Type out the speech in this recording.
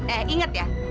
eh inget ya